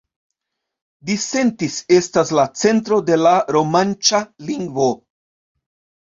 Disentis estas la centro de la romanĉa lingvo.